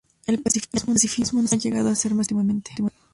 El pacifismo ha llegado a ser más importante últimamente.